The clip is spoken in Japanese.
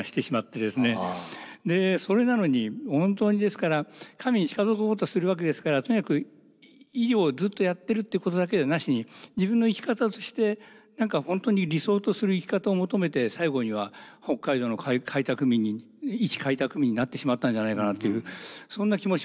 それなのに本当にですから神に近づこうとするわけですからとにかく医療をずっとやってるってことだけでなしに自分の生き方として何か本当に理想とする生き方を求めて最後には北海道の開拓民に一開拓民になってしまったんじゃないかなっていうそんな気もしますはい。